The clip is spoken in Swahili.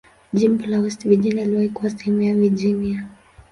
Jimbo la West Virginia iliwahi kuwa sehemu ya Virginia.